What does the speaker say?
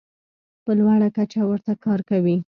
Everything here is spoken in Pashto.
په لوړه کچه ورته کار کوي.